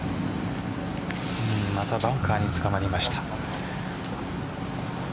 またバンカーにつかまりました。